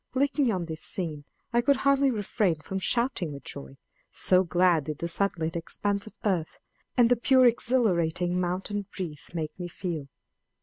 Looking on this scene I could hardly refrain from shouting with joy, so glad did the sunlit expanse of earth, and the pure exhilarating mountain breeze, make me feel.